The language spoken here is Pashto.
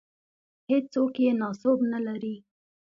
هېڅوک یې ناسوب نه لري.